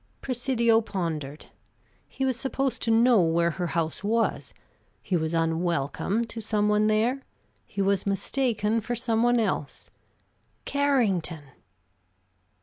Presidio pondered. He was supposed to know where her house was; he was unwelcome to some one there; he was mistaken for some one else Carrington!